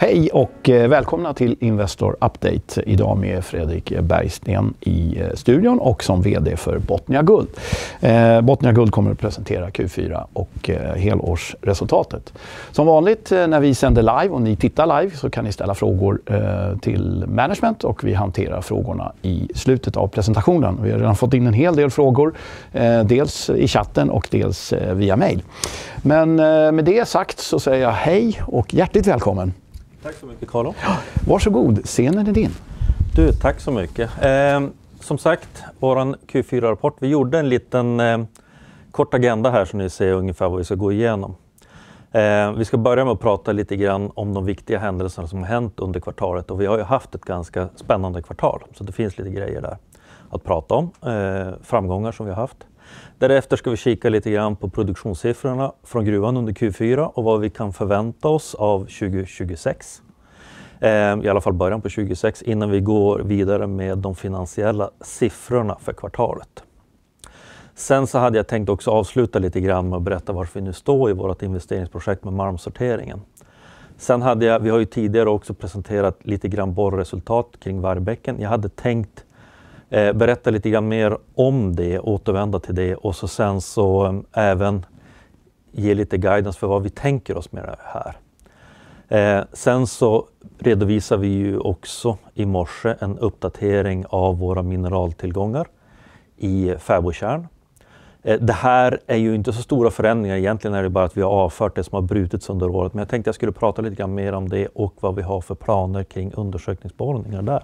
Hej och välkomna till Investor Update. I dag med Fredrik Bergsten i studion och som VD för Botnia Gold. Botnia Gold kommer att presentera Q4 och helårsresultatet. Som vanligt, när vi sänder live och ni tittar live, så kan ni ställa frågor till management och vi hanterar frågorna i slutet av presentationen. Vi har redan fått in en hel del frågor, dels i chatten och dels via mejl. Men med det sagt så säger jag hej och hjärtligt välkommen. Tack så mycket, Carlo. Varsågod, scenen är din. Du, tack så mycket. Som sagt, vår Q4-rapport. Vi gjorde en liten kort agenda här så ni ser ungefär vad vi ska gå igenom. Vi ska börja med att prata lite grann om de viktiga händelserna som har hänt under kvartalet. Vi har ju haft ett ganska spännande kvartal, så det finns lite grejer där att prata om, framgångar som vi har haft. Därefter ska vi kika lite grann på produktionssiffrorna från gruvan under Q4 och vad vi kan förvänta oss av 2026, i alla fall början på 2026, innan vi går vidare med de finansiella siffrorna för kvartalet. Sen så hade jag tänkt också avsluta lite grann med att berätta varför vi nu står i vårt investeringsprojekt med marmsorteringen. Sen hade jag, vi har ju tidigare också presenterat lite grann borrresultat kring Värbäcken. Jag hade tänkt berätta lite grann mer om det, återvända till det och sen även ge lite guidance för vad vi tänker oss med det här. Sen redovisar vi ju också i morse en uppdatering av våra mineraltillgångar i Fäbodtjärn. Det här är ju inte så stora förändringar egentligen, det är bara att vi har avfört det som har brutits under året. Men jag tänkte att jag skulle prata lite grann mer om det och vad vi har för planer kring undersökningsborrningar där.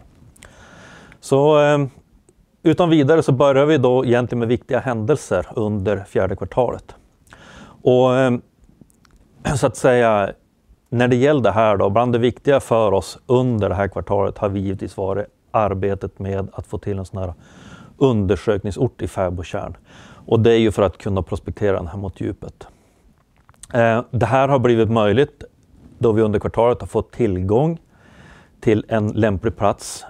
Utan vidare börjar vi då egentligen med viktiga händelser under fjärde kvartalet. När det gäller det här då, bland det viktiga för oss under det här kvartalet har vi givetvis varit arbetet med att få till en sådan här undersökningsort i Fäbodtjärn. Det är ju för att kunna prospektera den här mot djupet. Det här har blivit möjligt då vi under kvartalet har fått tillgång till en lämplig plats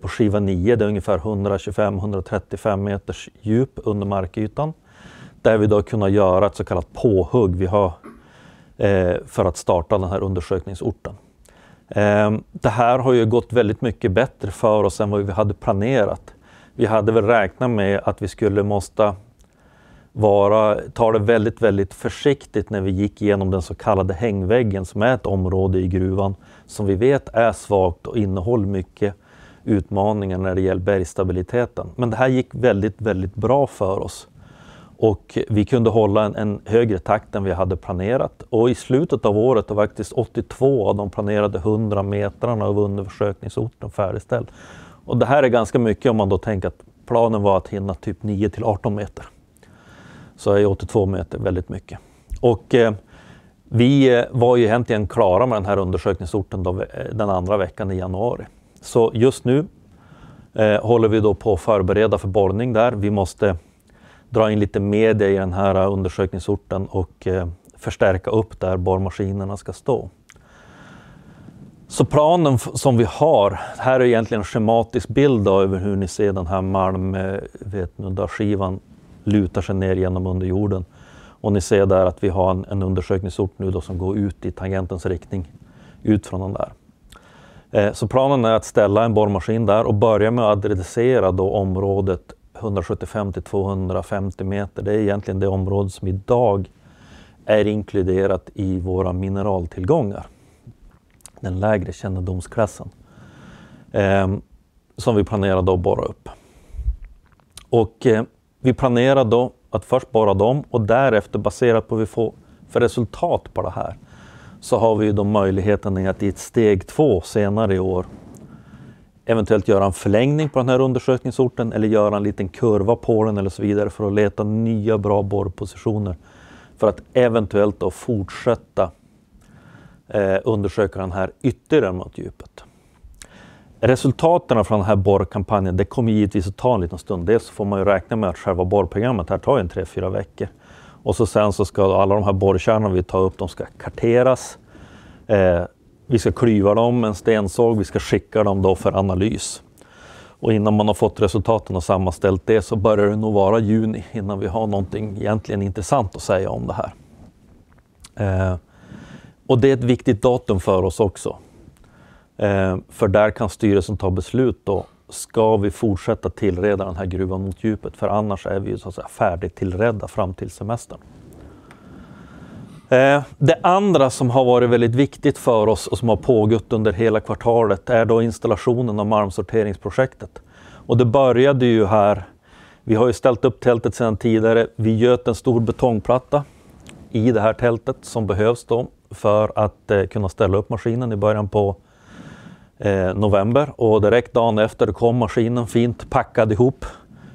på skiva nio. Det är ungefär 125-135 meters djup under markytan, där vi då har kunnat göra ett så kallat påhugg för att starta den här undersökningsorten. Det här har ju gått väldigt mycket bättre för oss än vad vi hade planerat. Vi hade väl räknat med att vi skulle måsta ta det väldigt, väldigt försiktigt när vi gick igenom den så kallade hängväggen som är ett område i gruvan som vi vet är svagt och innehåller mycket utmaningar när det gäller bergsstabiliteten. Men det här gick väldigt, väldigt bra för oss och vi kunde hålla en högre takt än vi hade planerat. I slutet av året har faktiskt 82 av de planerade 100 metrarna av undersökningsorten färdigställts. Och det här är ganska mycket om man då tänker att planen var att hinna typ 9-18 meter. Så är ju 82 meter väldigt mycket. Och vi var ju egentligen klara med den här undersökningsorten då den andra veckan i januari. Så just nu håller vi då på att förbereda för borrning där. Vi måste dra in lite media i den här undersökningsorten och förstärka upp där borrmaskinerna ska stå. Så planen som vi har, här är egentligen en schematisk bild då över hur ni ser den här malmskivan luta sig ner genom under jorden. Och ni ser där att vi har en undersökningsort nu då som går ut i tangentens riktning, ut från den där. Så planen är att ställa en borrmaskin där och börja med att adressera då området 175-250 meter. Det är egentligen det område som idag är inkluderat i våra mineraltillgångar. Den lägre kännedomsklassen som vi planerar att borra upp. Vi planerar att först borra dem och därefter, baserat på att vi får resultat på det här, så har vi möjligheten att i ett steg två senare i år eventuellt göra en förlängning på den här undersökningsorten eller göra en liten kurva på den eller så vidare för att leta nya bra borrpositioner. För att eventuellt fortsätta undersöka den här ytterligare mot djupet. Resultaterna från den här borrkampanjen, det kommer givetvis att ta en liten stund. Dels så får man räkna med att själva borrprogrammet här tar tre-fyra veckor. Sen så ska alla de här borrkärnorna vi tar upp karteras. Vi ska klyva dem med en stensåg, vi ska skicka dem för analys. Och innan man har fått resultaten och sammanställt det så börjar det nog vara juni innan vi har någonting egentligen intressant att säga om det här. Och det är ett viktigt datum för oss också. För där kan styrelsen ta beslut då, ska vi fortsätta tillreda den här gruvan mot djupet. För annars är vi ju så att säga färdigtillredda fram till semestern. Det andra som har varit väldigt viktigt för oss och som har pågått under hela kvartalet är då installationen av malmsorteringsprojektet. Och det började ju här, vi har ju ställt upp tältet sedan tidigare. Vi göt en stor betongplatta i det här tältet som behövs då för att kunna ställa upp maskinen i början på november. Och direkt dagen efter kom maskinen fint packad ihop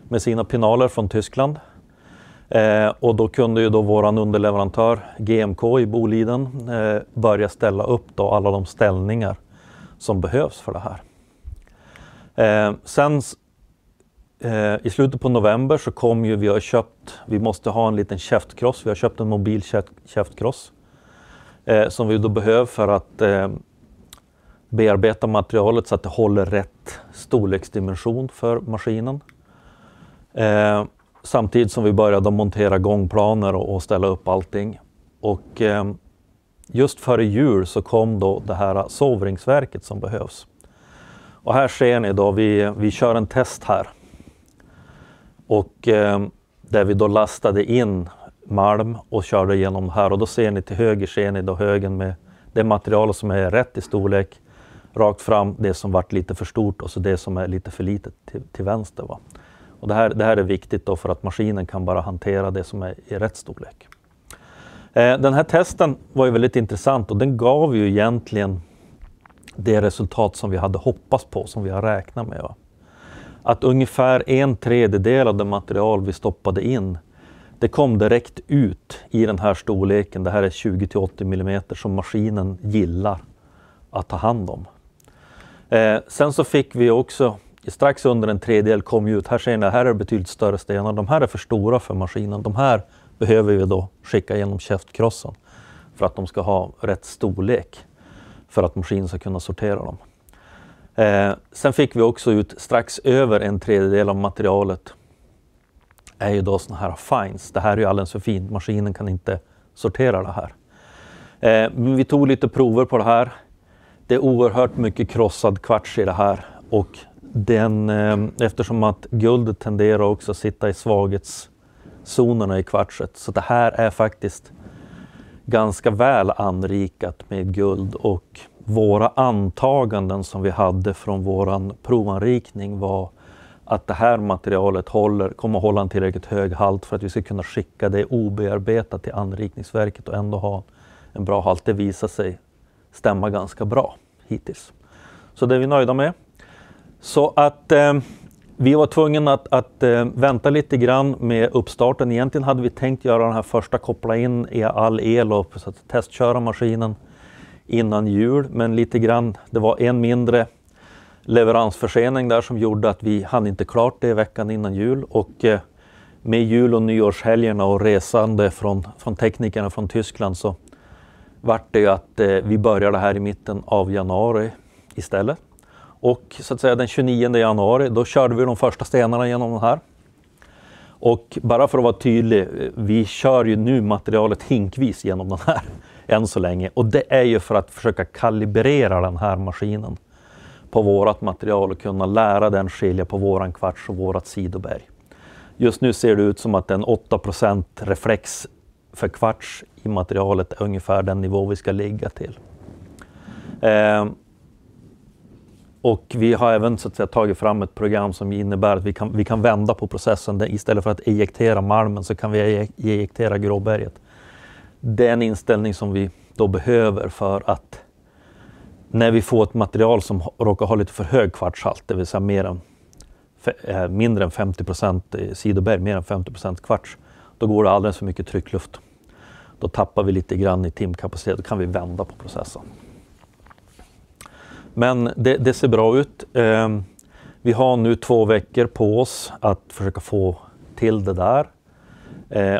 med sina paneler från Tyskland. Och då kunde ju då vår underleverantör GMK i Boliden börja ställa upp då alla de ställningar som behövs för det här. Sen i slutet på november så kom ju, vi har köpt, vi måste ha en liten käftkross. Vi har köpt en mobil käftkross som vi då behöver för att bearbeta materialet så att det håller rätt storleksdimension för maskinen. Samtidigt som vi började montera gångplaner och ställa upp allting. Just före jul så kom då det här sovringsverket som behövs. Här ser ni då, vi kör en test här. Där vi då lastade in marm och körde genom här. Då ser ni till höger, ser ni då högen med det material som är rätt i storlek. Rakt fram det som varit lite för stort och så det som är lite för litet till vänster. Och det här är viktigt då för att maskinen kan bara hantera det som är i rätt storlek. Den här testen var ju väldigt intressant och den gav ju egentligen det resultat som vi hade hoppats på, som vi har räknat med. Att ungefär en tredjedel av det material vi stoppade in, det kom direkt ut i den här storleken. Det här är 20-80 millimeter som maskinen gillar att ta hand om. Sen så fick vi också, strax under en tredjedel kom ju ut, här ser ni, här är det betydligt större stenar. De här är för stora för maskinen. De här behöver vi då skicka genom käftkrossen för att de ska ha rätt storlek för att maskinen ska kunna sortera dem. Sen fick vi också ut, strax över en tredjedel av materialet är ju då sådana här fines. Det här är ju alldeles för fint, maskinen kan inte sortera det här. Men vi tog lite prover på det här. Det är oerhört mycket krossad kvarts i det här. Och den, eftersom att guldet tenderar också att sitta i svaghetszonerna i kvartset. Så det här är faktiskt ganska väl anrikat med guld. Och våra antaganden som vi hade från vår provanrikning var att det här materialet håller, kommer att hålla en tillräckligt hög halt för att vi ska kunna skicka det obearbetat till anrikningsverket och ändå ha en bra halt. Det visar sig stämma ganska bra hittills. Så det är vi nöjda med. Så att vi var tvungna att vänta lite grann med uppstarten. Egentligen hade vi tänkt göra den här första, koppla in i all el och så att testköra maskinen innan jul. Men lite grann, det var en mindre leveransförsening där som gjorde att vi hann inte klart det veckan innan jul. Med jul och nyårshelgerna och resande från teknikerna från Tyskland så blev det ju att vi började här i mitten av januari istället. Den 29 januari, då körde vi de första stenarna genom den här. Bara för att vara tydlig, vi kör ju nu materialet hinkvis genom den här än så länge. Det är ju för att försöka kalibrera den här maskinen på vårt material och kunna lära den skilja på vår kvarts och vårt sidoberg. Just nu ser det ut som att en 8% reflex för kvarts i materialet är ungefär den nivå vi ska ligga till. Vi har även tagit fram ett program som innebär att vi kan vända på processen. Istället för att ejektera malmen så kan vi ejektera gråberget. Det är en inställning som vi då behöver för att när vi får ett material som råkar ha lite för hög kvartshalt, det vill säga mer än mindre än 50% sidoberg, mer än 50% kvarts, då går det alldeles för mycket tryckluft. Då tappar vi lite grann i timkapacitet, då kan vi vända på processen. Men det ser bra ut. Vi har nu två veckor på oss att försöka få till det där,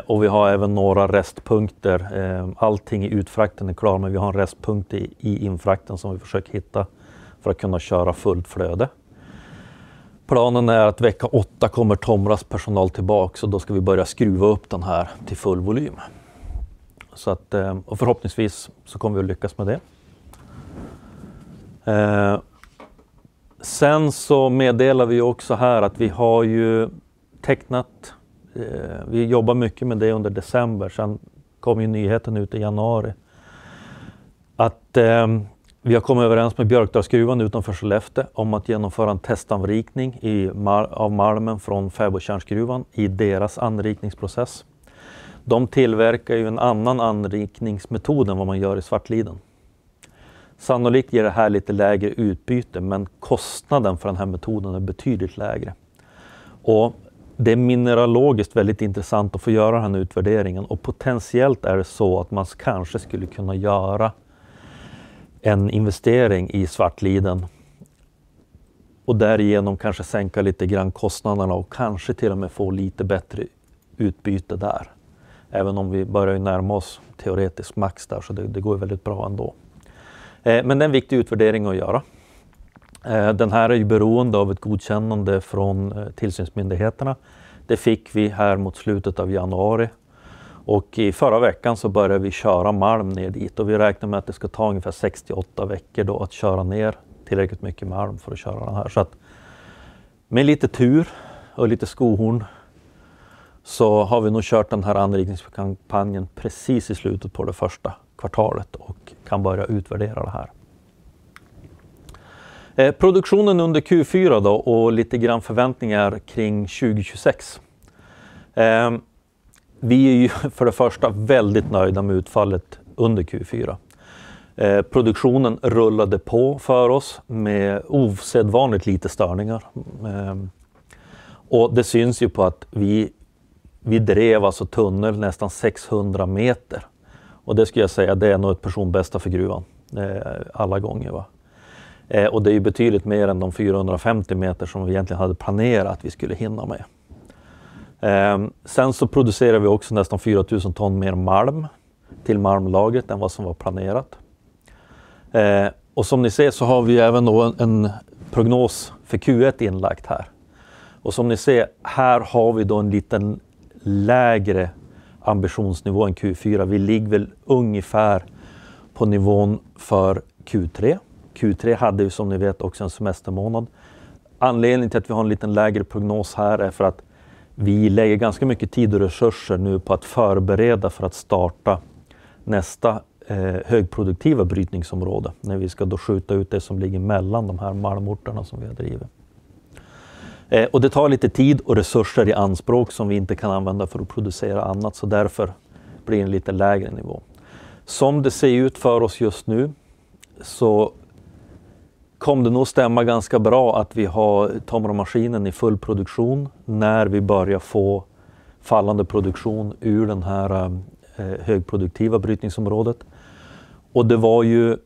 och vi har även några restpunkter. Allting i utfrakten är klart, men vi har en restpunkt i infrakten som vi försöker hitta för att kunna köra fullt flöde. Planen är att vecka åtta kommer Tomras personal tillbaka och då ska vi börja skruva upp den här till full volym. Förhoppningsvis så kommer vi att lyckas med det. Sen så meddelar vi ju också här att vi har ju tecknat, vi jobbar mycket med det under december. Sen kom ju nyheten ut i januari att vi har kommit överens med Björkdalsgruvan utanför Skellefteå om att genomföra en testanrikning av malmen från Fäbodtjärnsgruvan i deras anrikningsprocess. De tillverkar ju en annan anrikningsmetod än vad man gör i Svartliden. Sannolikt ger det här lite lägre utbyte, men kostnaden för den här metoden är betydligt lägre. Det är mineralogiskt väldigt intressant att få göra den här utvärderingen. Potentiellt är det så att man kanske skulle kunna göra en investering i Svartliden och därigenom kanske sänka lite grann kostnaderna och kanske till och med få lite bättre utbyte där. Även om vi börjar ju närma oss teoretiskt max där, så det går ju väldigt bra ändå. Men det är en viktig utvärdering att göra. Den här är ju beroende av ett godkännande från tillsynsmyndigheterna. Det fick vi här mot slutet av januari. I förra veckan så började vi köra malm ner dit. Vi räknar med att det ska ta ungefär 6-8 veckor då att köra ner tillräckligt mycket malm för att köra den här. Så att med lite tur och lite skohorn så har vi nog kört den här anrikningskampanjen precis i slutet på det första kvartalet och kan börja utvärdera det här. Produktionen under Q4 då och lite grann förväntningar kring 2026. Vi är ju för det första väldigt nöjda med utfallet under Q4. Produktionen rullade på för oss med ovanligt lite störningar. Det syns ju på att vi drev alltså tunnel nästan 600 meter. Det ska jag säga, det är nog ett personbästa för gruvan alla gånger. Och det är ju betydligt mer än de 450 meter som vi egentligen hade planerat att vi skulle hinna med. Sen så producerar vi också nästan 4000 ton mer marmor till marmorlagret än vad som var planerat. Och som ni ser så har vi ju även då en prognos för Q1 inlagt här. Och som ni ser, här har vi då en lite lägre ambitionsnivå än Q4. Vi ligger väl ungefär på nivån för Q3. Q3 hade ju, som ni vet, också en semestermånad. Anledningen till att vi har en lite lägre prognos här är för att vi lägger ganska mycket tid och resurser nu på att förbereda för att starta nästa högproduktiva brytningsområde. När vi ska då skjuta ut det som ligger mellan de här marmorterna som vi har drivit. Och det tar lite tid och resurser i anspråk som vi inte kan använda för att producera annat. Så därför blir det en lite lägre nivå. Som det ser ut för oss just nu så kommer det nog stämma ganska bra att vi har tomromaskinen i full produktion när vi börjar få fallande produktion ur det här högproduktiva brytningsområdet. Det var ju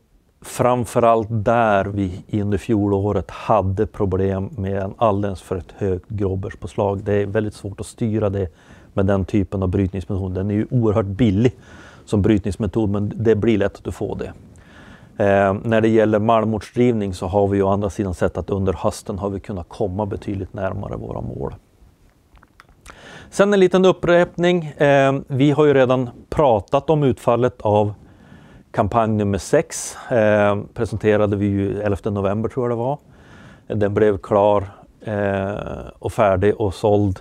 framförallt där vi under fjolåret hade problem med en alldeles för högt gråbörspåslag. Det är väldigt svårt att styra det med den typen av brytningsmetod. Den är ju oerhört billig som brytningsmetod, men det blir lätt att du får det. När det gäller marmortsdrivning så har vi ju å andra sidan sett att under hösten har vi kunnat komma betydligt närmare våra mål. Sen en liten upprepning. Vi har ju redan pratat om utfallet av kampanj nummer sex. Presenterade vi ju 11 november, tror jag det var. Den blev klar och färdig och såld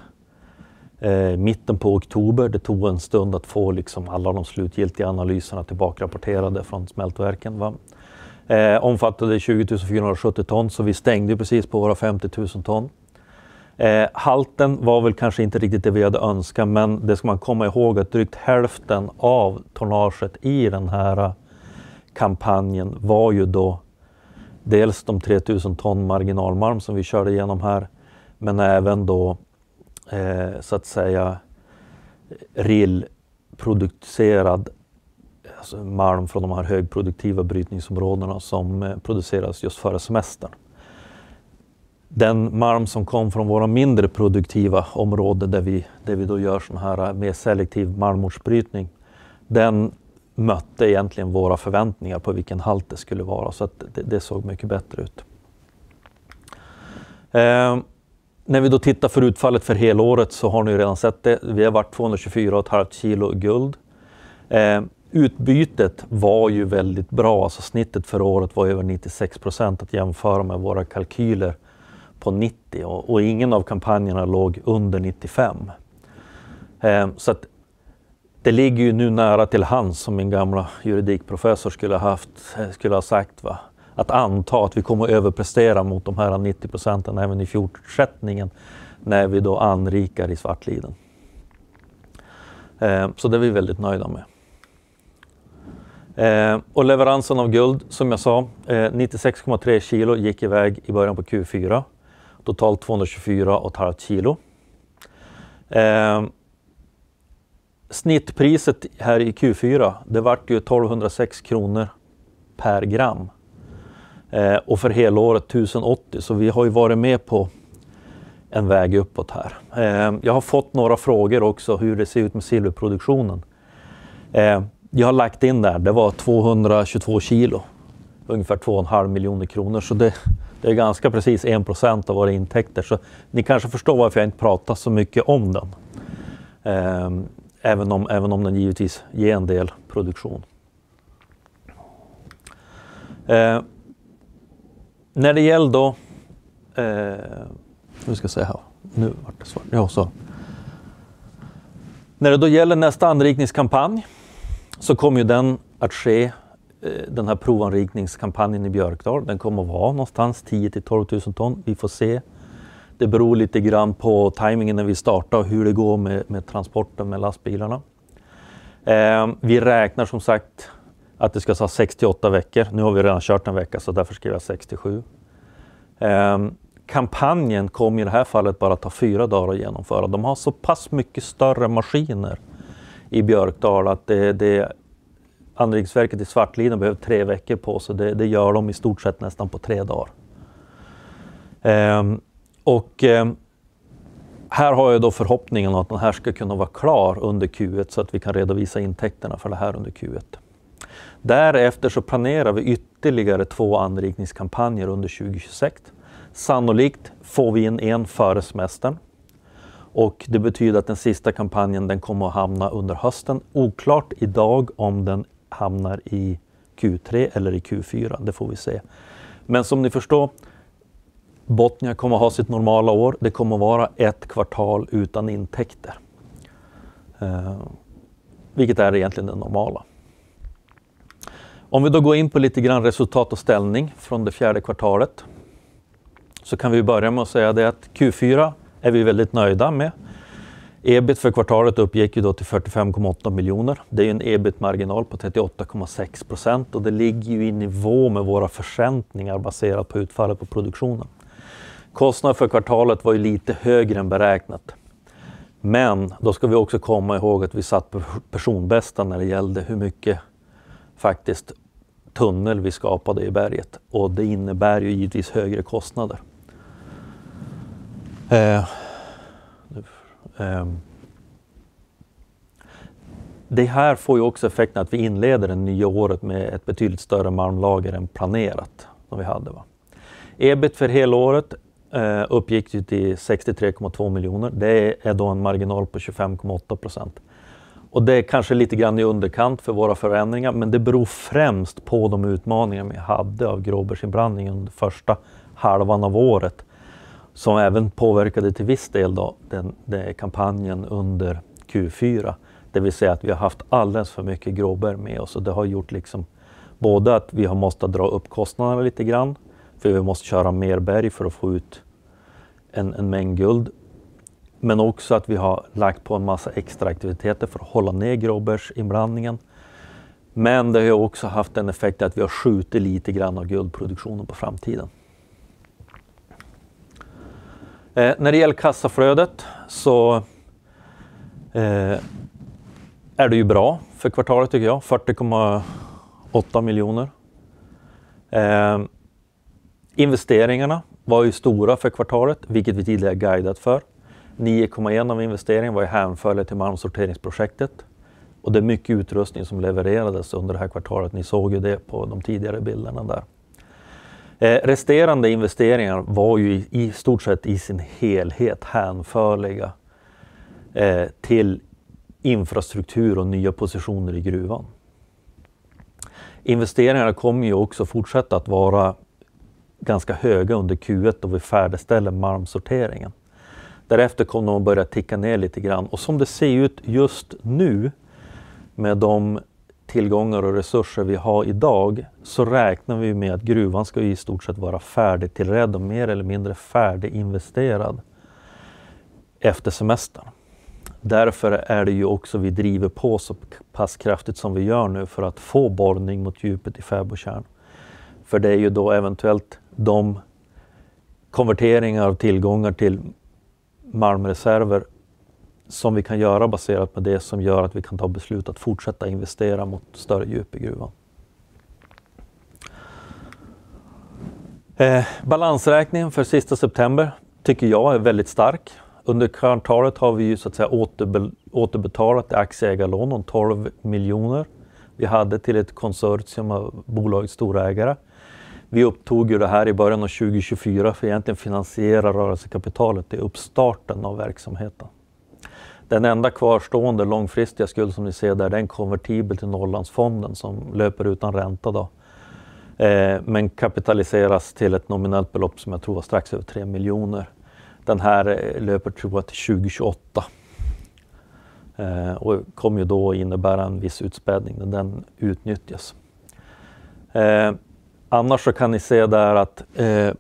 mitten på oktober. Det tog en stund att få liksom alla de slutgiltiga analyserna tillbakarapporterade från smältverken. Vad omfattade 20 470 ton, så vi stängde ju precis på våra 50 000 ton. Halten var väl kanske inte riktigt det vi hade önskat, men det ska man komma ihåg att drygt hälften av tonnaget i den här kampanjen var ju då dels de 3 000 ton marginalmarm som vi körde igenom här. Men även då, så att säga, rillproducerad marm från de här högproduktiva brytningsområdena som producerades just före semestern. Den marm som kom från våra mindre produktiva områden där vi då gör sådana här mer selektiv marmortsbrytning, den mötte egentligen våra förväntningar på vilken halt det skulle vara. Så det såg mycket bättre ut. När vi då tittar för utfallet för helåret så har ni ju redan sett det. Vi har varit 224,5 kilo guld. Utbytet var ju väldigt bra. Alltså, snittet för året var över 96% att jämföra med våra kalkyler på 90%. Ingen av kampanjerna låg under 95%, så det ligger ju nu nära till hands som min gamla juridikprofessor skulle ha sagt. Att anta att vi kommer att överprestera mot de här 90% även i fortsättningen när vi då anrikar i Svartliden. Det är vi väldigt nöjda med. Leveransen av guld, som jag sa, 96,3 kilo gick iväg i början på Q4. Totalt 224,5 kilo. Snittpriset här i Q4, det var ju 1 206 kronor per gram. För helåret 1 080. Vi har ju varit med på en väg uppåt här. Jag har fått några frågor också hur det ser ut med silverproduktionen. Jag har lagt in där, det var 222 kilo. Ungefär 2,5 miljoner kronor. Det är ganska precis 1% av våra intäkter. Så ni kanske förstår varför jag inte pratar så mycket om den, även om den givetvis ger en del produktion. När det gäller då, nu ska jag se här. Nu vart det svart. Jag sa: När det då gäller nästa anrikningskampanj så kommer ju den att ske, den här provanrikningskampanjen i Björkdal. Den kommer att vara någonstans 10,000 till 12,000 ton. Vi får se. Det beror lite grann på tajmingen när vi startar och hur det går med transporten med lastbilarna. Vi räknar som sagt att det ska ta 6-8 veckor. Nu har vi redan kört en vecka, så därför skriver jag 6-7. Kampanjen kommer ju i det här fallet bara att ta fyra dagar att genomföra. De har så pass mycket större maskiner i Björkdal att det är anrikningsverket i Svartliden som behöver tre veckor på sig. Det gör de i stort sett nästan på tre dagar. Och här har jag ju då förhoppningen att den här ska kunna vara klar under Q1 så att vi kan redovisa intäkterna för det här under Q1. Därefter så planerar vi ytterligare två anrikningskampanjer under 2026. Sannolikt får vi in en före semestern. Och det betyder att den sista kampanjen, den kommer att hamna under hösten. Oklart idag om den hamnar i Q3 eller i Q4. Det får vi se. Men som ni förstår, Bottnia kommer att ha sitt normala år. Det kommer att vara ett kvartal utan intäkter. Vilket är egentligen det normala. Om vi då går in på lite grann resultat och ställning från det fjärde kvartalet så kan vi ju börja med att säga det att Q4 är vi ju väldigt nöjda med. EBIT för kvartalet uppgick ju då till 45,8 miljoner. Det är ju en EBIT-marginal på 38,6% och det ligger ju i nivå med våra förväntningar baserat på utfallet på produktionen. Kostnaden för kvartalet var ju lite högre än beräknat. Men då ska vi också komma ihåg att vi satte personbästa när det gällde hur mycket faktisk tunnel vi skapade i berget. Och det innebär ju givetvis högre kostnader. Det här får ju också effekten att vi inleder det nya året med ett betydligt större marmlager än planerat som vi hade. EBIT för helåret uppgick ju till 63,2 miljoner. Det är då en marginal på 25,8%. Och det är kanske lite grann i underkant för våra förväntningar, men det beror främst på de utmaningar vi hade av gråbergsinblandningen under första halvan av året. Som även påverkade till viss del då den kampanjen under Q4. Det vill säga att vi har haft alldeles för mycket gråberg med oss. Och det har gjort liksom både att vi har måste dra upp kostnaderna lite grann, för vi måste köra mer berg för att få ut en mängd guld. Men också att vi har lagt på en massa extra aktiviteter för att hålla ner gråbörsinbranningen. Men det har ju också haft en effekt att vi har skjutit lite grann av guldproduktionen på framtiden. När det gäller kassaflödet så är det ju bra för kvartalet tycker jag, 40,8 miljoner. Investeringarna var ju stora för kvartalet, vilket vi tidigare guidat för. 9,1 av investeringen var ju hänförlig till marmsorteringsprojektet. Och det är mycket utrustning som levererades under det här kvartalet. Ni såg ju det på de tidigare bilderna där. Resterande investeringar var ju i stort sett i sin helhet hänförliga till infrastruktur och nya positioner i gruvan. Investeringarna kommer ju också fortsätta att vara ganska höga under Q1 då vi färdigställer marmsorteringen. Därefter kommer de att börja ticka ner lite grann. Och som det ser ut just nu med de tillgångar och resurser vi har idag så räknar vi ju med att gruvan ska ju i stort sett vara färdigtillredd och mer eller mindre färdiginvesterad efter semestern. Därför är det ju också vi driver på så pass kraftigt som vi gör nu för att få borrning mot djupet i Fäbodtjärn. För det är ju då eventuellt de konverteringar av tillgångar till malmreserver som vi kan göra baserat på det som gör att vi kan ta beslut att fortsätta investera mot större djup i gruvan. Balansräkningen för sista september tycker jag är väldigt stark. Under kvartalet har vi ju så att säga återbetalat det aktieägarlån om 12 miljoner kronor. Vi hade till ett konsortium av bolagets storägare. Vi upptog ju det här i början av 2024 för att egentligen finansiera rörelsekapitalet i uppstarten av verksamheten. Den enda kvarstående långfristiga skulden som ni ser där, den är konvertibel till Nollandsfonden som löper utan ränta då. Men kapitaliseras till ett nominellt belopp som jag tror var strax över 3 miljoner kronor. Den här löper tror jag till 2028. Och kommer då att innebära en viss utspädning när den utnyttjas. Annars så kan ni se där att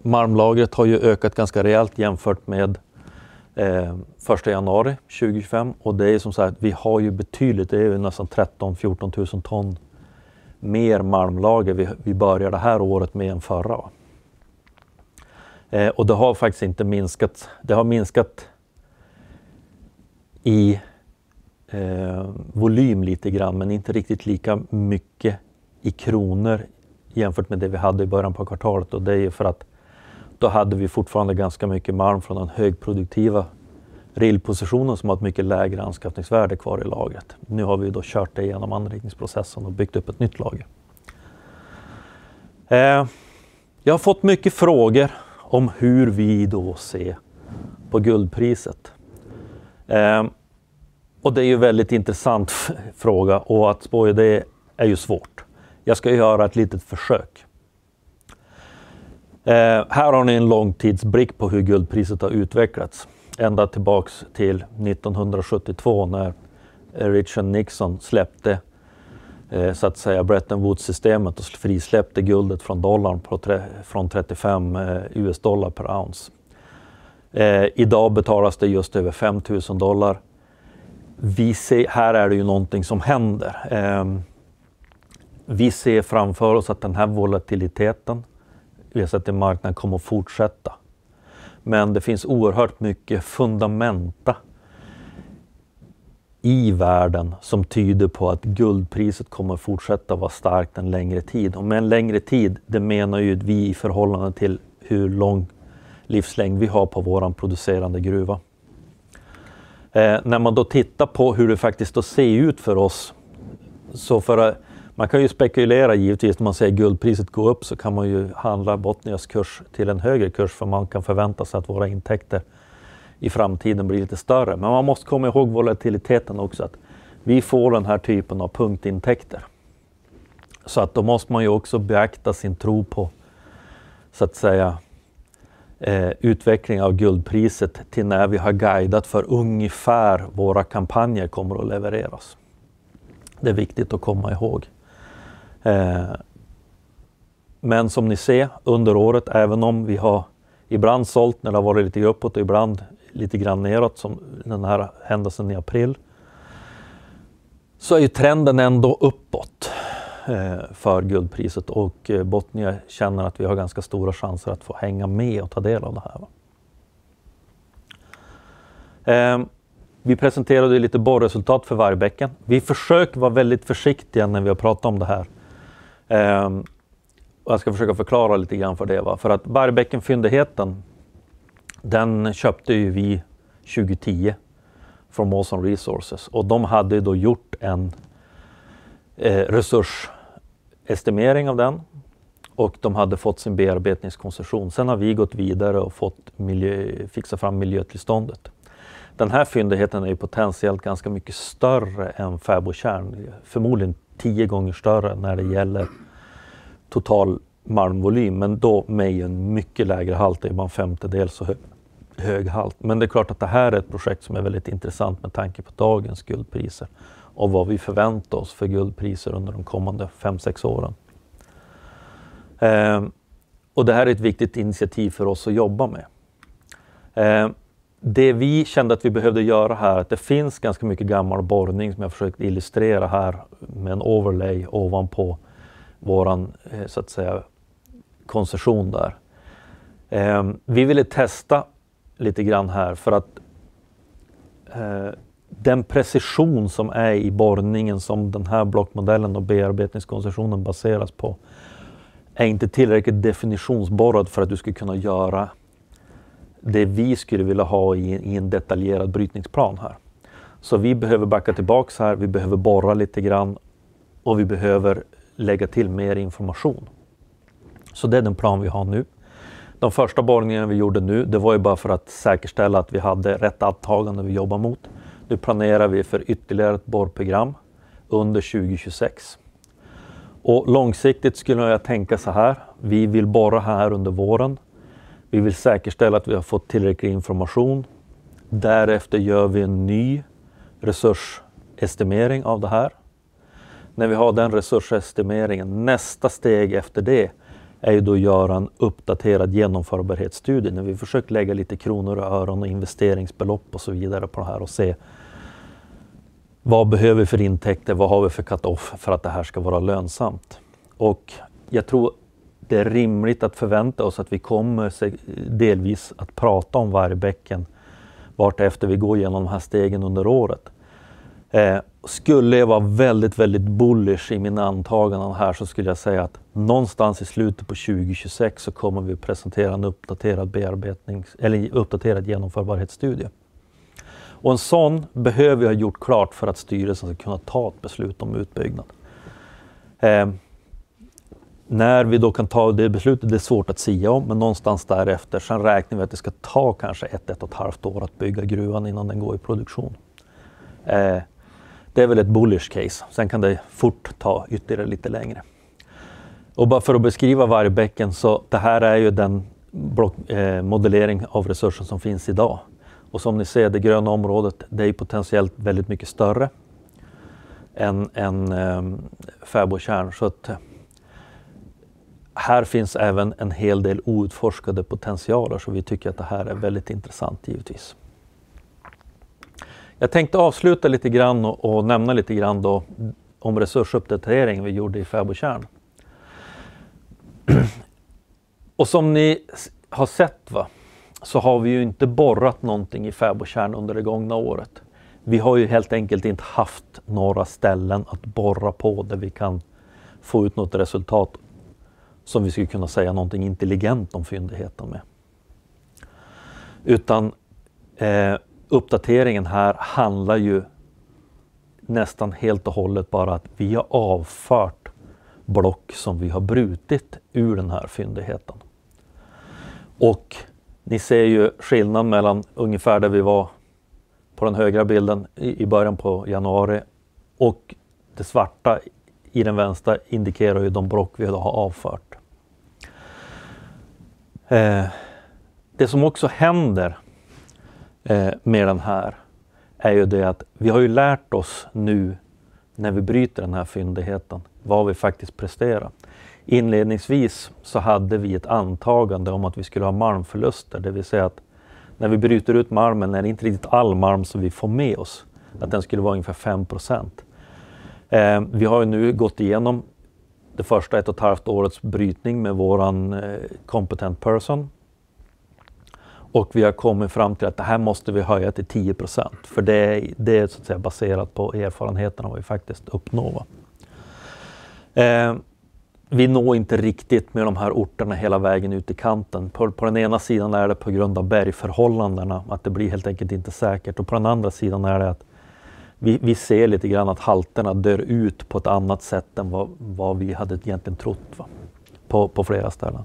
malmlagret har ökat ganska rejält jämfört med 1 januari 2025. Och det är som sagt, vi har betydligt, det är nästan 13 000-14 000 ton mer malmlager vi börjar det här året med än förra. Och det har faktiskt inte minskat, det har minskat i volym lite grann men inte riktigt lika mycket i kronor jämfört med det vi hade i början på kvartalet. Och det är ju för att då hade vi fortfarande ganska mycket malm från den högproduktiva gruvpositionen som har haft mycket lägre anskaffningsvärde kvar i lagret. Nu har vi ju då kört det genom anrikningsprocessen och byggt upp ett nytt lager. Jag har fått mycket frågor om hur vi då ser på guldpriset. Det är ju en väldigt intressant fråga och att spåja det är ju svårt. Jag ska ju göra ett litet försök. Här har ni en långtidsblick på hur guldpriset har utvecklats. Ända tillbaka till 1972 när Richard Nixon släppte så att säga Bretton Woods-systemet och frisläppte guldet från dollarn från $35 per ounce. Idag betalas det just över $5,000. Vi ser här är det ju någonting som händer. Vi ser framför oss att den här volatiliteten, vi har sett i marknaden, kommer att fortsätta. Men det finns oerhört mycket fundamenta i världen som tyder på att guldpriset kommer att fortsätta vara starkt en längre tid. Och med en längre tid, det menar att vi i förhållande till hur lång livslängd vi har på vår producerande gruva. När man då tittar på hur det faktiskt då ser ut för oss, så för att man kan spekulera givetvis när man ser guldpriset gå upp så kan man handla Bottnias kurs till en högre kurs för man kan förvänta sig att våra intäkter i framtiden blir lite större. Men man måste komma ihåg volatiliteten också, att vi får den här typen av punktintäkter. Så då måste man också beakta sin tro på så att säga utvecklingen av guldpriset till när vi har guidat för ungefär våra kampanjer kommer att levereras. Det är viktigt att komma ihåg. Men som ni ser under året, även om vi har ibland sålt när det har varit lite uppåt och ibland lite grann neråt som den här händelsen i april, så är ju trenden ändå uppåt för guldpriset och Bottnia känner att vi har ganska stora chanser att få hänga med och ta del av det här. Vi presenterade ju lite borrresultat för Vargbäcken. Vi försöker vara väldigt försiktiga när vi har pratat om det här. Jag ska försöka förklara lite grann för det. För att Vargbäckenfyndigheten, den köpte ju vi 2010 från Awesome Resources och de hade ju då gjort en resursestimering av den och de hade fått sin bearbetningskoncession. Sen har vi gått vidare och fått fixa fram miljötillståndet. Den här fyndigheten är ju potentiellt ganska mycket större än Fäbodtjärn. Förmodligen tio gånger större när det gäller total marmvolym, men då med ju en mycket lägre halt. Det är ju bara en femtedel så hög halt. Men det är klart att det här är ett projekt som är väldigt intressant med tanke på dagens guldpriser och vad vi förväntar oss för guldpriser under de kommande fem, sex åren. Det här är ett viktigt initiativ för oss att jobba med. Det vi kände att vi behövde göra här är att det finns ganska mycket gammal borrning som jag har försökt illustrera här med en overlay ovanpå vår koncession där. Vi ville testa lite här för att den precision som är i borrningen som den här blockmodellen och bearbetningskoncessionen baseras på är inte tillräckligt definitionsborrad för att du ska kunna göra det vi skulle vilja ha i en detaljerad brytningsplan här. Vi behöver backa tillbaka här, vi behöver borra lite och vi behöver lägga till mer information. Det är den plan vi har nu. De första borrningarna vi gjorde nu, det var bara för att säkerställa att vi hade rätt antagande vi jobbar mot. Nu planerar vi för ytterligare ett borrprogram under 2026. Långsiktigt skulle jag tänka här. Vi vill borra här under våren. Vi vill säkerställa att vi har fått tillräcklig information. Därefter gör vi en ny resursestimering av det här. När vi har den resursestimeringen, nästa steg efter det är då att göra en uppdaterad genomförbarhetsstudie. När vi försöker lägga lite kronor och öron och investeringsbelopp och vidare på det här och se vad behöver vi för intäkter, vad har vi för cut-off för att det här ska vara lönsamt. Jag tror det är rimligt att förvänta oss att vi kommer att prata om Vargbäcken vartefter vi går genom de här stegen under året. Skulle jag vara väldigt, väldigt bullish i mina antaganden här så skulle jag säga att någonstans i slutet på 2026 så kommer vi att presentera en uppdaterad genomförbarhetsstudie. En sådan behöver vi ha gjort klart för att styrelsen ska kunna ta ett beslut om utbyggnad. När vi då kan ta det beslutet, det är svårt att sia om, men någonstans därefter. Sen räknar vi att det ska ta kanske ett, ett och ett halvt år att bygga gruvan innan den går i produktion. Det är väl ett bullish case. Sen kan det fort ta ytterligare lite längre. Bara för att beskriva Vargbäcken så, det här är ju den modellering av resursen som finns idag. Som ni ser, det gröna området, det är ju potentiellt väldigt mycket större än Fäbodtjärn. Så att här finns även en hel del outforskade potentialer så vi tycker att det här är väldigt intressant givetvis. Jag tänkte avsluta lite grann och nämna lite grann då om resursuppdateringen vi gjorde i Fäbodtjärn. Som ni har sett så har vi ju inte borrat någonting i Fäbodtjärn under det gångna året. Vi har ju helt enkelt inte haft några ställen att borra på där vi kan få ut något resultat som vi skulle kunna säga någonting intelligent om fyndigheten med. Utan uppdateringen här handlar ju nästan helt och hållet bara att vi har avfört block som vi har brutit ur den här fyndigheten. Ni ser ju skillnad mellan ungefär där vi var på den högra bilden i början på januari och det svarta i den vänstra indikerar ju de block vi har avfört. Det som också händer med den här är ju det att vi har ju lärt oss nu när vi bryter den här fyndigheten vad vi faktiskt presterar. Inledningsvis så hade vi ett antagande om att vi skulle ha malmförluster. Det vill säga att när vi bryter ut malmen är det inte riktigt all malm som vi får med oss. Att den skulle vara ungefär 5%. Vi har ju nu gått igenom det första ett och ett halvt årets brytning med vår competent person. Och vi har kommit fram till att det här måste vi höja till 10%. För det är så att säga baserat på erfarenheterna vad vi faktiskt uppnår. Vi når inte riktigt med de här orterna hela vägen ut i kanten. På den ena sidan är det på grund av bergförhållandena att det blir helt enkelt inte säkert. Och på den andra sidan är det att vi ser lite grann att halterna dör ut på ett annat sätt än vad vi hade egentligen trott på flera ställen.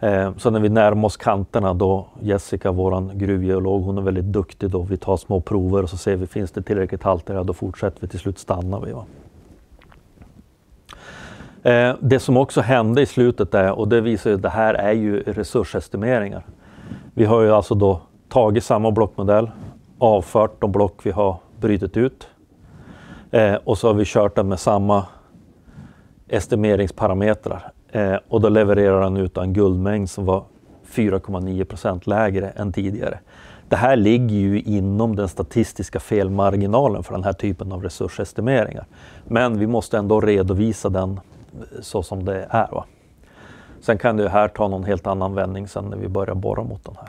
När vi närmar oss kanterna då, Jessica, vår gruvgeolog, hon är väldigt duktig då. Vi tar små prover och så ser vi finns det tillräckligt halter här då fortsätter vi till slut stannar vi. Det som också hände i slutet är, och det visar ju, det här är ju resursestimeringar. Vi har ju alltså då tagit samma blockmodell, avfört de block vi har brutit ut. Och så har vi kört den med samma estimeringsparametrar. Och då levererar den ut en guldmängd som var 4,9% lägre än tidigare. Det här ligger ju inom den statistiska felmarginalen för den här typen av resursestimeringar. Men vi måste ändå redovisa den så som det är. Sen kan det ju här ta någon helt annan vändning sen när vi börjar borra mot den här.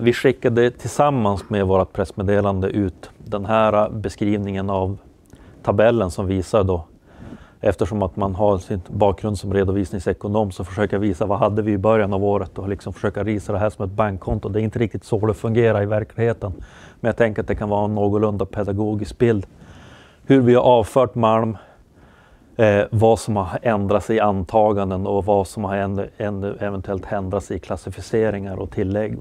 Vi skickade tillsammans med vårt pressmeddelande ut den här beskrivningen av tabellen som visar då. Eftersom att man har sin bakgrund som redovisningsekonom så försöker jag visa vad hade vi i början av året och försöka rita det här som ett bankkonto. Det är inte riktigt så det fungerar i verkligheten. Men jag tänker att det kan vara en någorlunda pedagogisk bild. Hur vi har avfört malm, vad som har ändrat sig i antaganden och vad som har ännu eventuellt ändrat sig i klassificeringar och tillägg.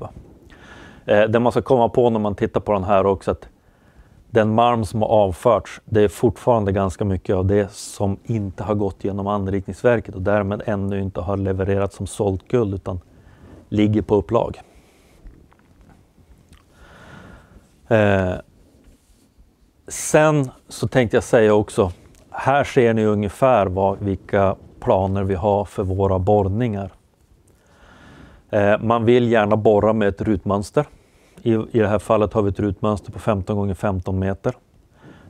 Det man ska komma ihåg när man tittar på den här också är att den malm som har avförts, det är fortfarande ganska mycket av det som inte har gått genom anrikningsverket och därmed ännu inte har levererats som sålt guld utan ligger på upplag. Sen så tänkte jag säga också, här ser ni ungefär vilka planer vi har för våra borrningar. Man vill gärna borra med ett rutmönster. I det här fallet har vi ett rutmönster på 15x15 meter.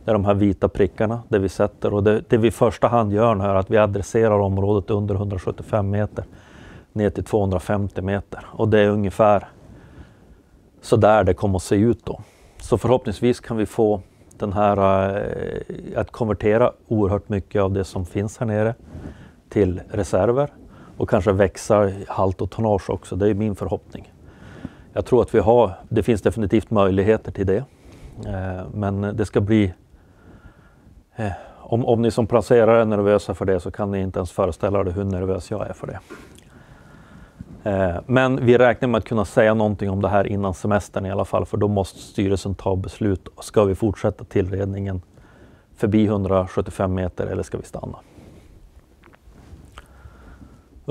Det är de här vita prickarna där vi sätter. Det vi i första hand gör nu är att vi adresserar området under 175 meter ner till 250 meter. Det är ungefär så där det kommer att se ut då. Så förhoppningsvis kan vi få den här att konvertera oerhört mycket av det som finns här nere till reserver. Kanske växa i halt och tonage också. Det är ju min förhoppning. Jag tror att vi har, det finns definitivt möjligheter till det. Men det ska bli, om ni som placerare är nervösa för det så kan ni inte ens föreställa hur nervös jag är för det. Men vi räknar med att kunna säga någonting om det här innan semestern i alla fall. För då måste styrelsen ta beslut. Ska vi fortsätta tillredningen förbi 175 meter eller ska vi stanna?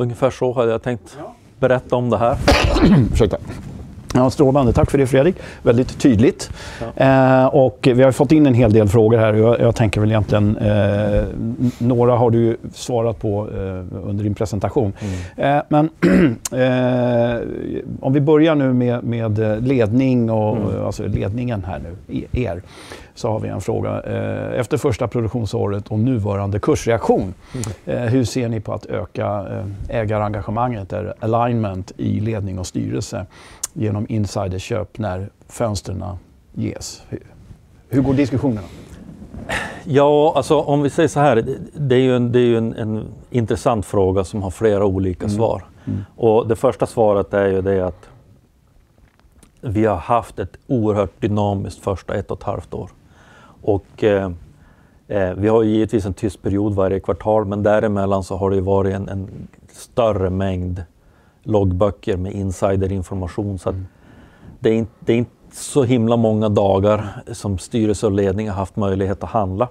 Ungefär så hade jag tänkt berätta om det här. Ja, strålande. Tack för det, Fredrik. Väldigt tydligt. Ja. Vi har ju fått in en hel del frågor här. Jag tänker väl egentligen, några har du ju svarat på under din presentation. Men om vi börjar nu med ledning och alltså ledningen här nu, så har vi en fråga. Efter första produktionsåret och nuvarande kursreaktion. Hur ser ni på att öka ägarengagemanget eller alignment i ledning och styrelse genom insiderköp när fönstren ges? Hur går diskussionerna? Ja, alltså om vi säger så här. Det är ju en intressant fråga som har flera olika svar. Och det första svaret är ju det att vi har haft ett oerhört dynamiskt första ett och ett halvt år. Och vi har ju givetvis en tyst period varje kvartal. Men däremellan så har det ju varit en större mängd loggböcker med insiderinformation. Så att det är inte, det är inte så himla många dagar som styrelse och ledning har haft möjlighet att handla.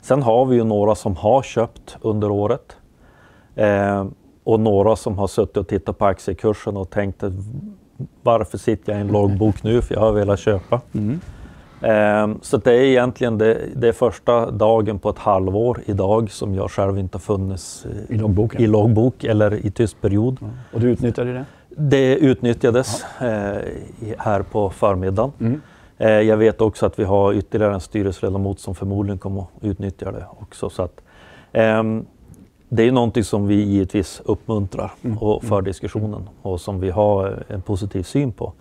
Sen har vi ju några som har köpt under året. Och några som har suttit och tittat på aktiekursen och tänkt att varför sitter jag i en loggbok nu? För jag har velat köpa. Så det är egentligen det första dagen på ett halvår idag som jag själv inte har funnits i loggbok eller i tyst period. Och du utnyttjade ju det? Det utnyttjades här på förmiddagen. Jag vet också att vi har ytterligare en styrelseledamot som förmodligen kommer att utnyttja det också. Så att det är ju någonting som vi givetvis uppmuntrar och för diskussionen. Och som vi har en positiv syn på.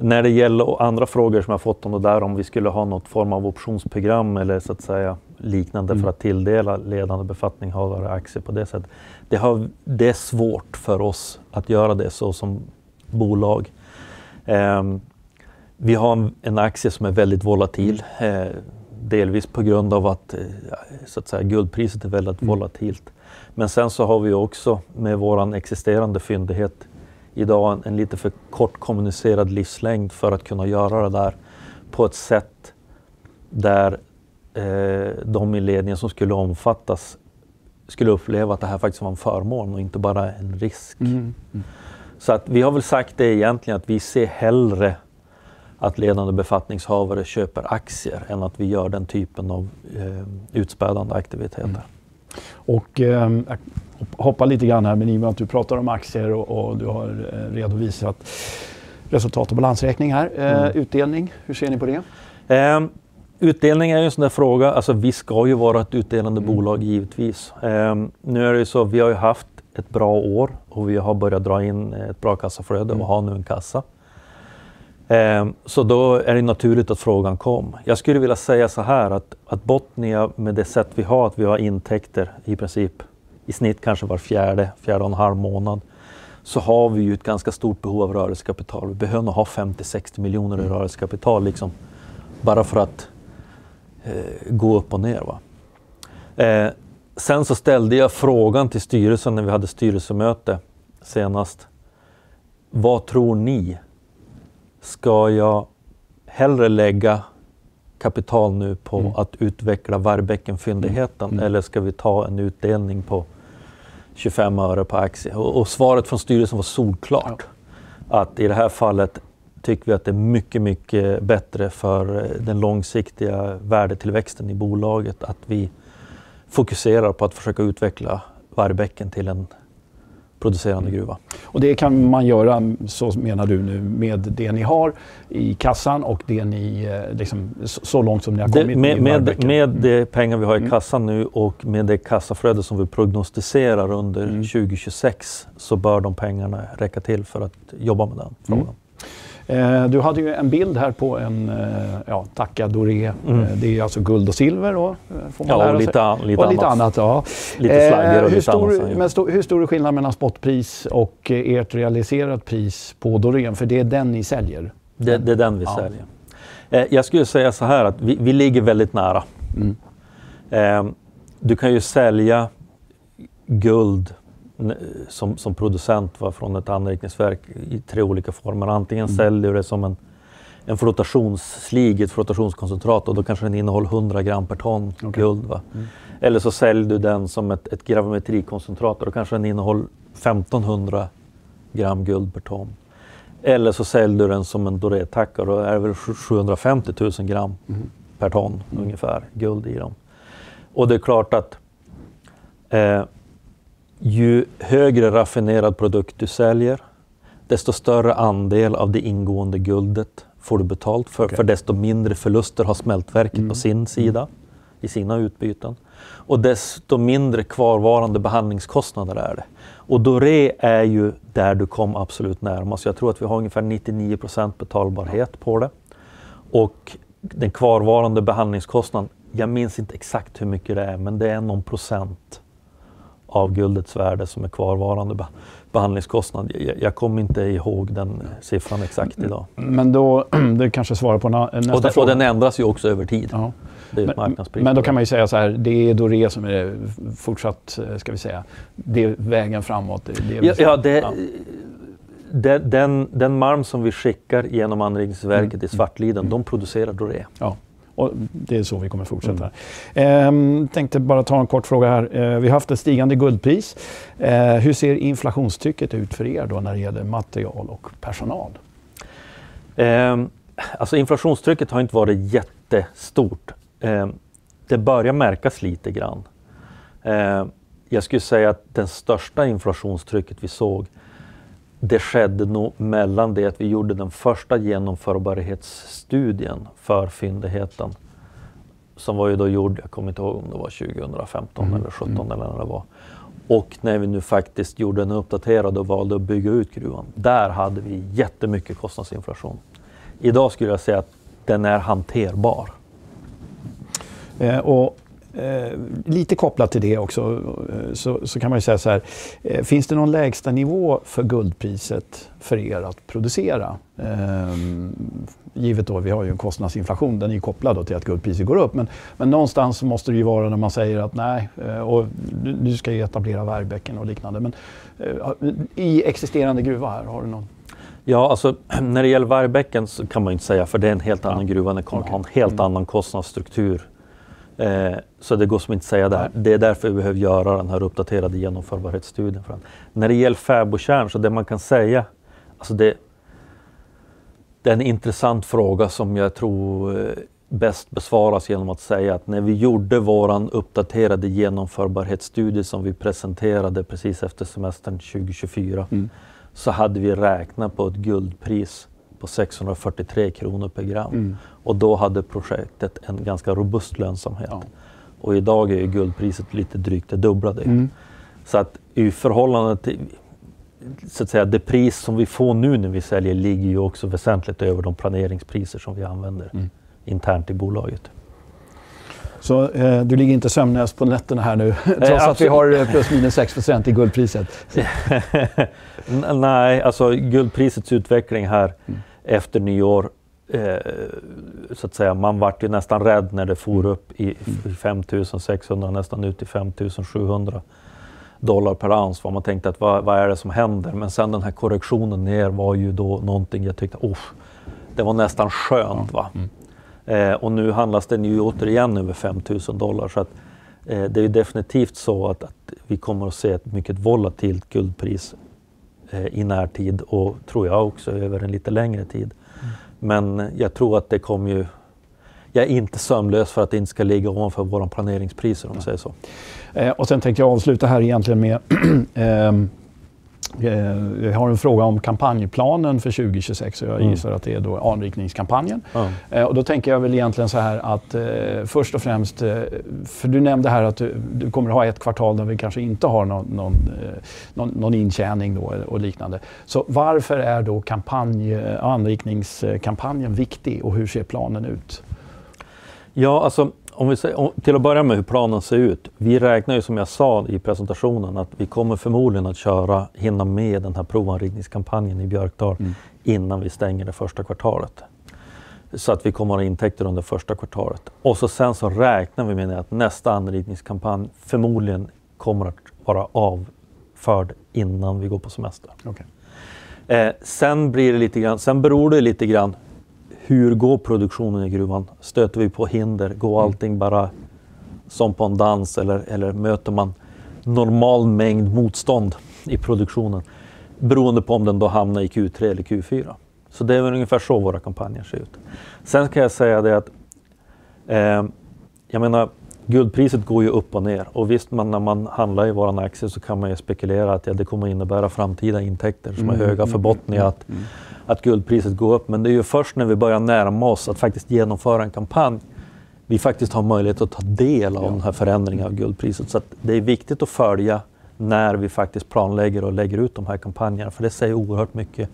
När det gäller andra frågor som jag har fått om det där. Om vi skulle ha någon form av optionsprogram eller så att säga liknande för att tilldela ledande befattningshavare aktier på det sättet. Det har det är svårt för oss att göra det så som bolag. Vi har en aktie som är väldigt volatil. Delvis på grund av att så att säga guldpriset är väldigt volatilt. Men sen så har vi ju också med vår existerande fyndighet idag en lite för kort kommunicerad livslängd för att kunna göra det där. På ett sätt där de i ledningen som skulle omfattas skulle uppleva att det här faktiskt var en förmån och inte bara en risk. Så att vi har väl sagt det egentligen att vi ser hellre att ledande befattningshavare köper aktier än att vi gör den typen av utspädande aktiviteter. Jag hoppar lite grann här men i och med att du pratar om aktier och du har redovisat resultat och balansräkning här. Utdelning, hur ser ni på det? Utdelning är ju en sån där fråga. Alltså vi ska ju vara ett utdelande bolag givetvis. Nu är det ju så att vi har ju haft ett bra år och vi har börjat dra in ett bra kassaflöde och har nu en kassa. Så då är det ju naturligt att frågan kom. Jag skulle vilja säga så här att Botnia med det sätt vi har att vi har intäkter i princip i snitt kanske var fjärde, fjärde och en halv månad. Så har vi ju ett ganska stort behov av rörelsekapital. Vi behöver nog ha 50-60 miljoner i rörelsekapital liksom bara för att gå upp och ner. Sen så ställde jag frågan till styrelsen när vi hade styrelsemöte senast. Vad tror ni? Ska jag hellre lägga kapital nu på att utveckla Vargbäcken-fyndigheten eller ska vi ta en utdelning på 25 öre per aktie? Och svaret från styrelsen var solklart. Att i det här fallet tycker vi att det är mycket, mycket bättre för den långsiktiga värdetillväxten i bolaget. Att vi fokuserar på att försöka utveckla Vargbäcken till en producerande gruva. Och det kan man göra så menar du nu med det ni har i kassan och det ni liksom så långt som ni har kommit med? Med de pengar vi har i kassan nu och med det kassaflöde som vi prognostiserar under 2026 så bör de pengarna räcka till för att jobba med den frågan. Du hade ju en bild här på en tackad doré. Det är ju alltså guld och silver då får man lära sig. Ja, och lite annat. Och lite annat, ja. Lite flaggor och lite annat. Men hur stor är skillnaden mellan spotpris och ert realiserat pris på dorén? För det är den ni säljer. Det är den vi säljer. Jag skulle säga så här att vi ligger väldigt nära. Du kan ju sälja guld som producent från ett anrikningsverk i tre olika former. Antingen säljer du det som ett flotationskoncentrat och då kanske den innehåller 100 gram per ton guld. Eller så säljer du den som ett gravimetrikoncentrat och då kanske den innehåller 1500 gram guld per ton. Eller så säljer du den som en dorétackare och då är det väl 750 000 gram per ton ungefär guld i dem. Det är klart att ju högre raffinerad produkt du säljer desto större andel av det ingående guldet får du betalt. För desto mindre förluster har smältverket på sin sida i sina utbyten. Desto mindre kvarvarande behandlingskostnader är det. Doré är ju där du kom absolut närmast. Jag tror att vi har ungefär 99% betalbarhet på det. Den kvarvarande behandlingskostnad, jag minns inte exakt hur mycket det är men det är någon procent av guldets värde som är kvarvarande behandlingskostnad. Jag kommer inte ihåg den siffran exakt idag. Men då, det kanske svarar på nästa fråga. Den ändras ju också över tid. Ja, det är ju ett marknadspris. Men då kan man ju säga så här, det är doré som är det fortsatt, ska vi säga, det är vägen framåt. Det är vi. Ja, det är den malm som vi skickar genom anrikningsverket i Svartliden, de producerar doré. Ja, och det är så vi kommer fortsätta här. Tänkte bara ta en kort fråga här. Vi har haft ett stigande guldpris. Hur ser inflationstrycket ut för då när det gäller material och personal? Alltså inflationstrycket har inte varit jättestort. Det börjar märkas lite grann. Jag skulle säga att den största inflationstrycket vi såg, det skedde nog mellan det att vi gjorde den första genomförbarhetsstudien för fyndigheten. Som var ju då gjord, jag kommer inte ihåg om det var 2015 eller 2017 eller när det var. Och när vi nu faktiskt gjorde en uppdaterad och valde att bygga ut gruvan. Där hade vi jättemycket kostnadsinflation. Idag skulle jag säga att den är hanterbar. Lite kopplat till det också, kan man ju säga så här: finns det någon lägsta nivå för guldpriset för att producera? Givet då, vi har ju en kostnadsinflation, den är ju kopplad då till att guldpriset går upp. Men någonstans så måste det ju vara när man säger att nej, nu ska vi etablera Vargbäcken och liknande. Men i existerande gruva här, har du någon? Ja, alltså när det gäller Vargbäcken så kan man ju inte säga, för det är en helt annan gruva och den kommer att ha en helt annan kostnadsstruktur. Det går inte att säga det här. Det är därför vi behöver göra den här uppdaterade genomförbarhetsstudien. För att när det gäller Fäbo kärn så det man kan säga, alltså det är en intressant fråga som jag tror bäst besvaras genom att säga att när vi gjorde vår uppdaterade genomförbarhetsstudie som vi presenterade precis efter semestern 2024, så hade vi räknat på ett guldpris på 643 kronor per gram. Då hade projektet en ganska robust lönsamhet. Idag är ju guldpriset lite drygt det dubbla det. Så att i förhållande till det pris som vi får nu när vi säljer ligger ju också väsentligt över de planeringspriser som vi använder internt i bolaget. Så du ligger inte sömnlös på nätterna här nu trots att vi har plus minus 6% i guldpriset? Nej, alltså guldprisets utveckling här efter nyår, man var ju nästan rädd när det for upp i $5,600, nästan ut i $5,700 per ounce. Vad man tänkte att vad, vad är det som händer? Men sen den här korrektionen ner var ju då någonting jag tyckte, usch, det var nästan skönt va. Och nu handlas den ju återigen över $5,000. Så att det är ju definitivt så att vi kommer att se ett mycket volatilt guldpris i närtid och tror jag också över en lite längre tid. Men jag tror att det kommer ju, jag är inte sömnlös för att det inte ska ligga ovanför våran planeringspriser om man säger så. Och sen tänkte jag avsluta här egentligen med, jag har en fråga om kampanjplanen för 2026 och jag gissar att det är då anrikningskampanjen. Och då tänker jag väl egentligen så här att först och främst, för du nämnde här att du kommer att ha ett kvartal där vi kanske inte har någon intjäning då och liknande. Så varför är då kampanjen, anrikningskampanjen viktig och hur ser planen ut? Ja, om vi säger till att börja med hur planen ser ut. Vi räknar ju som jag sa i presentationen att vi kommer förmodligen att köra, hinna med den här provanrikningskampanjen i Björkdal innan vi stänger det första kvartalet. Så att vi kommer att ha intäkter under första kvartalet. Sen så räknar vi med att nästa anrikningskampanj förmodligen kommer att vara avförd innan vi går på semester. Okej. Sen blir det lite grann, sen beror det ju lite grann hur går produktionen i gruvan? Stöter vi på hinder? Går allting bara som på en dans eller möter man normal mängd motstånd i produktionen? Beroende på om den då hamnar i Q3 eller Q4. Det är väl ungefär så våra kampanjer ser ut. Sen kan jag säga det att guldpriset går ju upp och ner. Visst, när man handlar i våra aktier så kan man ju spekulera att det kommer att innebära framtida intäkter som är höga för Botnia att guldpriset går upp. Men det är ju först när vi börjar närma oss att faktiskt genomföra en kampanj vi faktiskt har möjlighet att ta del av den här förändringen av guldpriset. Det är viktigt att följa när vi faktiskt planerar och lägger ut de här kampanjerna. För det säger oerhört mycket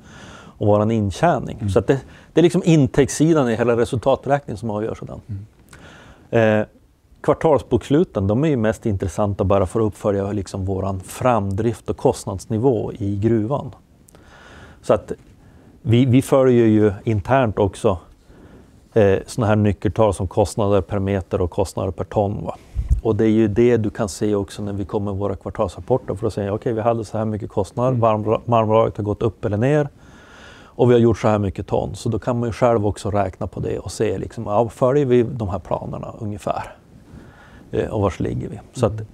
om vår intjäning. Det är liksom intäktssidan i hela resultaträkningen som avgör sådan. Kvartalsboksluten, de är mest intressanta bara för att uppfölja vår framdrift och kostnadsnivå i gruvan. Vi följer internt också sådana här nyckeltal som kostnader per meter och kostnader per ton. Det är det du kan se också när vi kommer med våra kvartalsrapporter för att säga okej vi hade så här mycket kostnader, marmlaget har gått upp eller ner och vi har gjort så här mycket ton. Då kan man själv också räkna på det och se följer vi de här planerna ungefär och var ligger vi.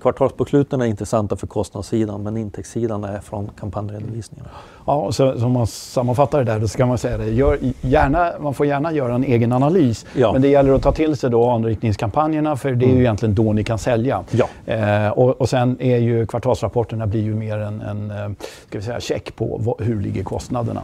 Kvartalsboksluten är intressanta för kostnadssidan men intäktssidan är från kampanjredovisningen. Om man sammanfattar det där då så kan man säga det, gör gärna, man får gärna göra en egen analys. Men det gäller att ta till sig då anrikningskampanjerna för det är ju egentligen då ni kan sälja. Ja. Och sen är ju kvartalsrapporterna blir ju mer en, ska vi säga, check på hur ligger kostnaderna.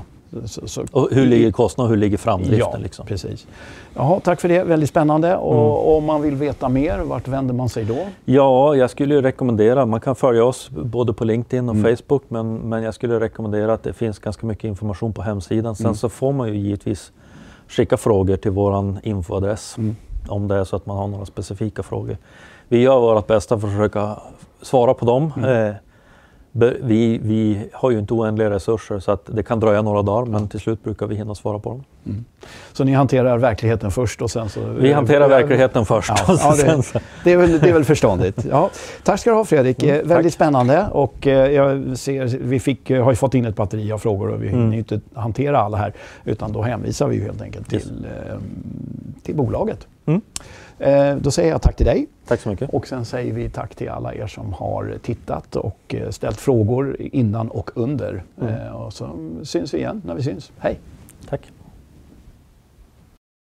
Hur ligger kostnader och hur ligger framdriften liksom. Ja precis. Jaha tack för det, väldigt spännande. Om man vill veta mer, vart vänder man sig då? Ja jag skulle ju rekommendera, man kan följa oss både på LinkedIn och Facebook men jag skulle rekommendera att det finns ganska mycket information på hemsidan. Sen så får man ju givetvis skicka frågor till vår infoadress om det är så att man har några specifika frågor. Vi gör vårt bästa för att försöka svara på dem. Vi har ju inte oändliga resurser så att det kan dröja några dagar men till slut brukar vi hinna svara på dem. Så ni hanterar verkligheten först och sen så? Vi hanterar verkligheten först och sen så. Det är väl förståndigt. Ja, tack ska du ha Fredrik, väldigt spännande. Jag ser vi fick, har ju fått in ett batteri av frågor och vi hinner ju inte hantera alla här. Utan då hänvisar vi ju helt enkelt till bolaget. Då säger jag tack till dig. Tack så mycket. Sen säger vi tack till alla som har tittat och ställt frågor innan och under. Så syns vi igen när vi syns. Hej. Tack.